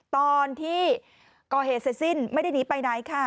ตอนที่ก่อเหตุเสร็จสิ้นไม่ได้หนีไปไหนค่ะ